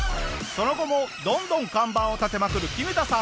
その後もどんどん看板を立てまくるキヌタさん。